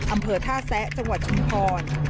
อำเภอท่าแซะจังหวัดชุมพร